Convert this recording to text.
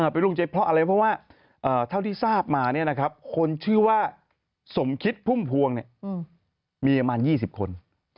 เป็นลูกเจ็บเพราะอะไรเพราะว่าเท่าที่ทราบมาเนี่ยนะครับคนชื่อว่าสมคิตพุ่มพวงเนี่ยมีประมาณ๒๐คน